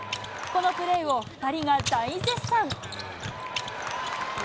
このプレーを２人が大絶賛。